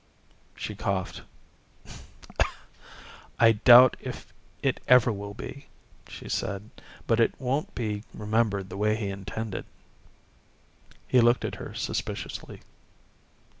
She coughed. "I doubt if it ever will be," she said, "but it won't be remembered the way he intended." He looked at her suspiciously.